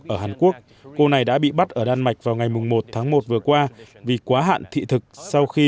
ở hàn quốc cô này đã bị bắt ở đan mạch vào ngày một tháng một vừa qua vì quá hạn thị thực sau khi